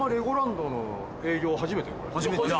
初めて。